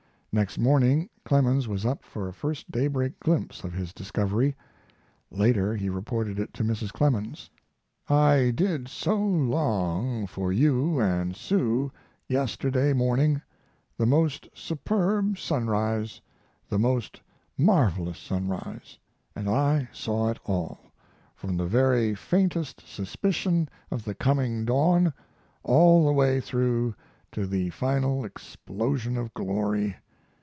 Next morning Clemens was up for a first daybreak glimpse of his discovery. Later he reported it to Mrs. Clemens: I did so long for you and Sue yesterday morning the most superb sunrise the most marvelous sunrise & I saw it all, from the very faintest suspicion of the coming dawn, all the way through to the final explosion of glory.